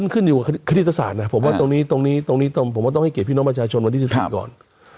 ขึ้นอยู่กับคณิตศาสตร์นะผมว่าตรงนี้ตรงนี้ผมว่าต้องให้เกียรติพี่น้องประชาชนวันที่๑๔ก่อน